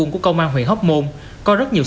của công an huyện hóc môn có rất nhiều